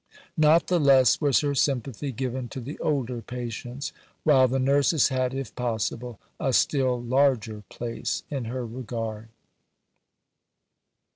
Not the less was her sympathy given to the older patients, while the Nurses had, if possible, a still larger place in her regard."